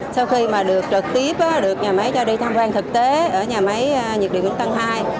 sau khi mà được trực tiếp được nhà máy cho đi tham quan thực tế ở nhà máy nhiệt điện vĩnh tân ii